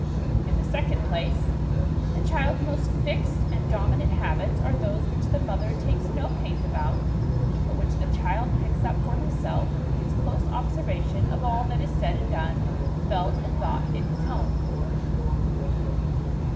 In the second place, the child's most fixed and dominant SOMEHABITS OF MIND SOME MORAL HABITS 137 habits are those which the mother takes no pains about, but which the child picks up for himself through his close observation of all that is said and done, felt and thought, in his home.